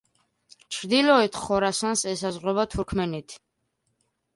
ჩრდილოეთ ხორასანს ესაზღვრება თურქმენეთი.